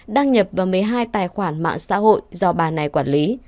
đăng nhập vào một mươi hai tài khoản mạng xã hội do bà này quản lý